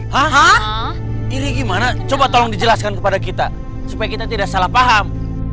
hahaha ini gimana coba tolong dijelaskan kepada kita supaya kita tidak salah paham